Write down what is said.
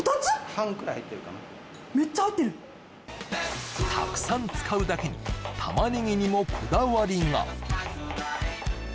半くらい入ってるかなめっちゃ入ってるたくさん使うだけにを行っています